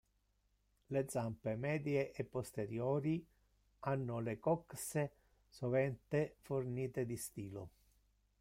Le zampe medie e posteriori hanno le coxe sovente fornite di stilo.